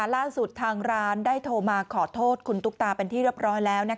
ล่าสุดทางร้านได้โทรมาขอโทษคุณตุ๊กตาเป็นที่เรียบร้อยแล้ว